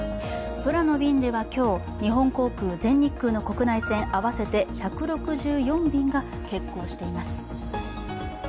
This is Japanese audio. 空の便では今日、日本航空、全日空の国内線合わせて１６４便が欠航しています。